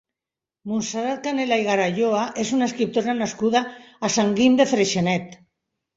Montserrat Canela i Garayoa és una escriptora nascuda a Sant Guim de Freixenet.